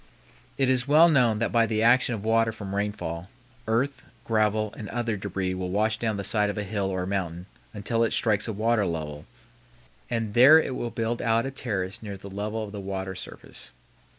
It is well known that by the action of water from rainfall, earth, gravel, and other débris will wash down the side of a hill or mountain until it strikes a water level, and there it will build out a terrace near the level of the water surface.